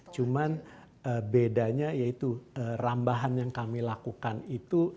cuman bedanya yaitu rambahan yang kami lakukan itu